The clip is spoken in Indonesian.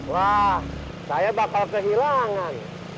wah saya bakal kehilangan